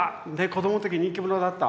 子どもの時人気者だった。